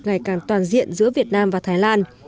ngày càng toàn diện giữa việt nam và thái lan